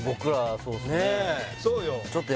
そうよ